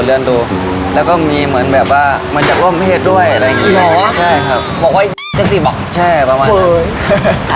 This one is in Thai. คล้องหน้าอะไรแบบนั้นอ๋อแล้วคนส่งมาผู้หญิงหรือผู้ชายคะ